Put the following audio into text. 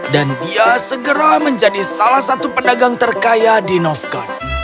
dan dia segera menjadi salah satu pedagang terkaya di novgorod